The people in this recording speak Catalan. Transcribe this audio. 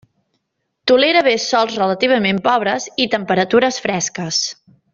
Tolera bé sòls relativament pobres i temperatures fresques.